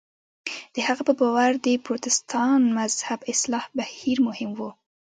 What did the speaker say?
د هغه په باور د پروتستان مذهب اصلاح بهیر مهم و.